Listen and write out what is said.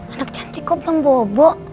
anak cantik kok belum bobo